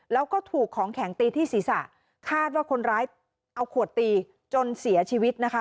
แล้วก็ถูกของแข็งตีที่ศีรษะคาดว่าคนร้ายเอาขวดตีจนเสียชีวิตนะคะ